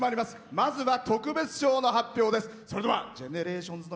まずは、特別賞の発表です。